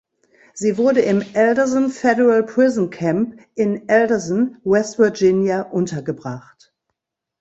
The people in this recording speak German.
Sie wurde im Alderson Federal Prison Camp in Alderson, West Virginia untergebracht.